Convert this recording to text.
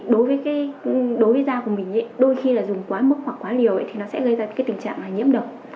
đối với da của mình đôi khi là dùng quá mức hoặc quá liều thì nó sẽ gây ra cái tình trạng nhiễm độc